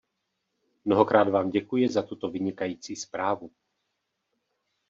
Mnohokrát vám děkuji za tuto vynikající zprávu.